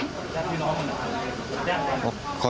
ขอแค่นี้นะครับ